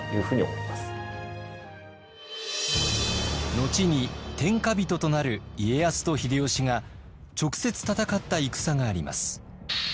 後に天下人となる家康と秀吉が直接戦った戦があります。